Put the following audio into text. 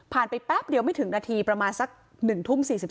ไปแป๊บเดียวไม่ถึงนาทีประมาณสัก๑ทุ่ม๔๒